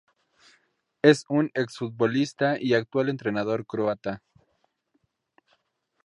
Es un exfutbolista y actual entrenador croata.